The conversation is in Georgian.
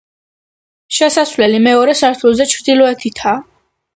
შესასვლელი მეორე სართულზე, ჩრდილოეთითაა.